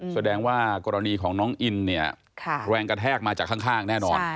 แสดงว่ากรณีของน้องอินเนี่ยแรงกระแทกมาจากข้างแน่นอน